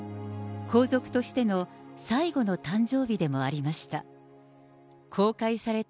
皇族としての最後の誕生日でもありました。